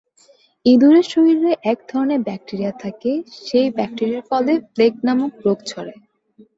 ইঁদুরের শরীরে এর ধরনের ব্যাকটেরিয়া থাকে, সেই ব্যাকটেরিয়ার ফলে প্লেগ নামক রোগ ছড়ায়।